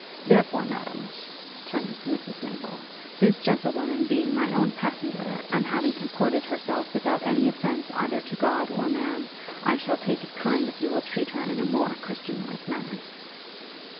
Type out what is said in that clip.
Therefore, Madam,' turning to Mrs Maple, 'this gentlewoman being my own passenger, and having comported herself without any offence either to God or man, I shall take it kind if you will treat her in a more Christian like manner.'